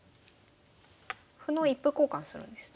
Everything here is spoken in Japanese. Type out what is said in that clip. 歩の一歩交換するんですね。